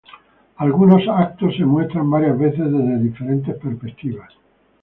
Algunos eventos se muestran varias veces desde diferentes perspectivas.